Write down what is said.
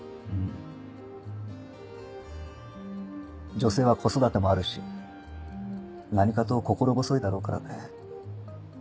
女性は子育てもあるし何かと心細いだろう